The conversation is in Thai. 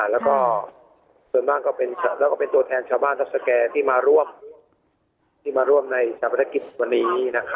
และส่วนบ้างก็เป็นตัวแทนชาวบ้านทัศแกที่มาร่วมในศาลบริษัทค์วันนี้